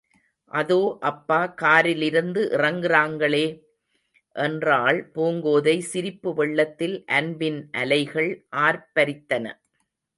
அதோ அப்பா காரிலிருந்து இறங்குறாங்களே! என்றாள் பூங்கோதை, சிரிப்பு வெள்ளத்தில் அன்பின் அலைகள் ஆர்ப்பரித்தன.